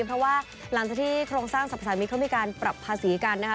เพราะว่าหลังจากที่โครงสร้างสรรพสามิตรเขามีการปรับภาษีกันนะคะ